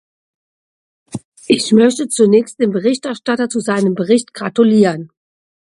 Ich möchte zunächst dem Berichterstatter zu seinem Bericht gratulieren.